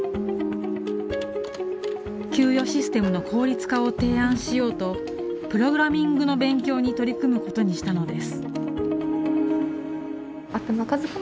給与システムの効率化を提案しようとプログラミングの勉強に取り組むことにしたのです。